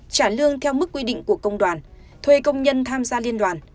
trả lương theo mức quy định của công đoàn thuê công nhân tham gia liên đoàn